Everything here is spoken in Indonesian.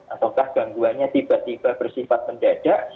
ataukah gangguannya tiba tiba bersifat mendadak